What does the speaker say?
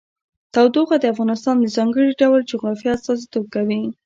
تودوخه د افغانستان د ځانګړي ډول جغرافیه استازیتوب کوي.